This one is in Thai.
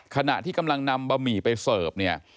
ขณะที่กำลังนำบะหมี่ไปเสิร์ฟเนี่ย